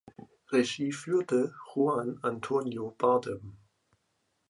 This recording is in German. Regie führte Juan Antonio Bardem.